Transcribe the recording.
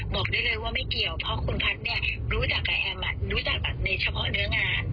บอกได้เลยว่าไม่เกี่ยวเพราะคุณพัฒน์เนี่ยรู้จักกับแอมรู้จักแบบในเฉพาะเนื้องาน